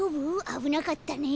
あぶなかったね。